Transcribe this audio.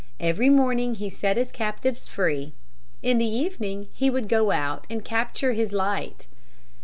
Every morning he set his captives free. In the evening he would go out and capture his light.